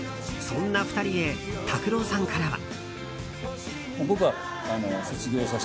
そんな２人へ拓郎さんからは。